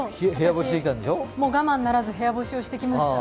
そう、我慢ならず部屋干しをしてきました。